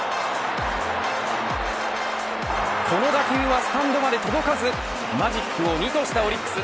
この打球はスタンドまで届かずマジックを２としたオリックス。